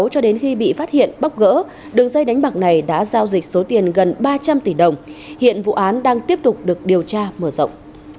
cho đến khi bị phát hiện bóc gỡ đường dây đánh bạc này đã giao dịch số tiền gần ba trăm linh tỷ đồng hiện vụ án đang tiếp tục được điều tra mở rộng